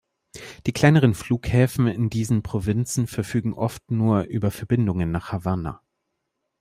Die kleineren Flughäfen in diesen Provinzen verfügen oft nur über Verbindungen nach Havanna.